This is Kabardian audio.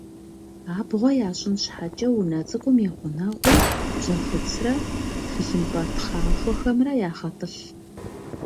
Абгъуэ ящӏын щхьэкӏэ унэ цӏыкӏум и гъунэгъуу бжьэхуцрэ тхылъымпӏэ тхъахуэхэмрэ ягъэтӏылъ.